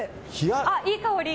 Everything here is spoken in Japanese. あっ、いい香り。